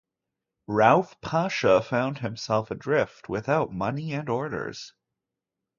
Rauf Pasha found himself adrift without money and orders.